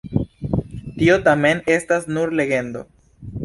Tio tamen estas nur legendo.